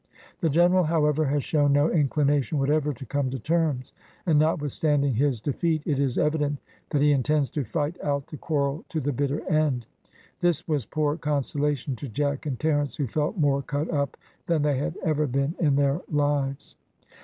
The general, however, has shown no inclination whatever to come to terms; and not withstanding his defeat, it is evident that he intends to fight out the quarrel to the bitter end." This was poor consolation to Jack and Terence, who felt more cut up than they had ever been in their lives.